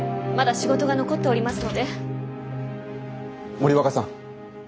森若さん。